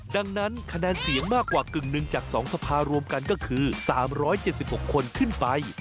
ดังนั้นคะแนนเสียงมากกว่ากึ่งหนึ่งจาก๒สภารวมกันก็คือ๓๗๖คนขึ้นไป